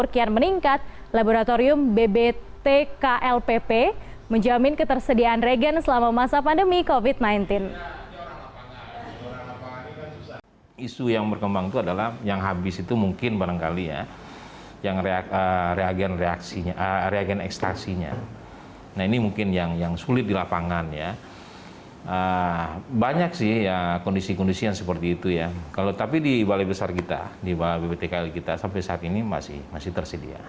kemungkinan meningkat laboratorium bbtklpp menjamin ketersediaan regen selama masa pandemi covid sembilan belas